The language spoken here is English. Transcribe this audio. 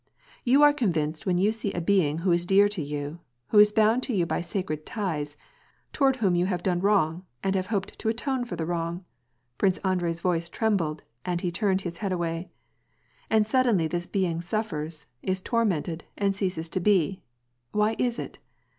You are convinced when you see a being who is dear to you, who is bound to you by sacred ties, toward whom you have done wrong, and have hoped to atone for the wrong ''— Prince Andrei's voice trembled and he turned his iiead away —" and suddenly this being suffers, is tormented, and ceases to be. Why is it